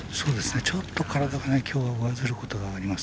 ちょっと体がきょうは上ずることがあります。